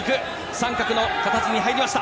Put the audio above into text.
三角の形に入りました。